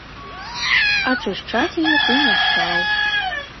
Ачышчаць яе ты не стаў.